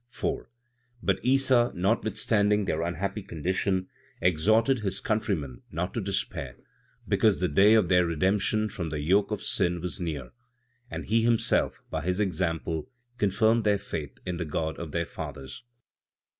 4. But Issa, notwithstanding their unhappy condition, exhorted his countrymen not to despair, because the day of their redemption from the yoke of sin was near, and he himself, by his example, confirmed their faith in the God of their fathers.